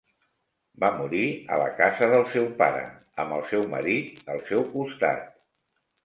Va morir a la casa del seu pare amb el seu marit al seu costat.